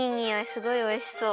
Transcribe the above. すごいおいしそう！